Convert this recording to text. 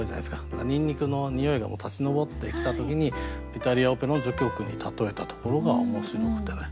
だからニンニクのにおいが立ちのぼってきた時に「イタリアオペラの序曲」に例えたところが面白くてね。